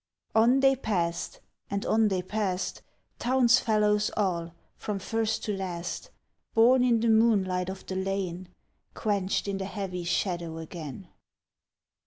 On they pass'd, and on they pass'd; Townsfellows all, from first to last; Born in the moonlight of the lane, Quench'd in the heavy shadow again.